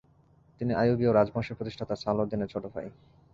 তিনি আইয়ুবীয় রাজবংশের প্রতিষ্ঠাতা সালাহউদ্দিনের ছোট ভাই।